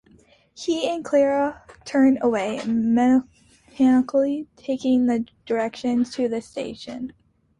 He and Clara turned away, mechanically taking the direction to the station.